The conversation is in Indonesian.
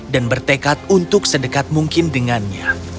dan bertekad untuk sedekat mungkin dengannya